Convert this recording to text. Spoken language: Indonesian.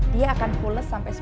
dia akan pulas sampai sepuluh jam